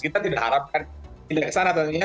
kita tidak harapkan ini ke sana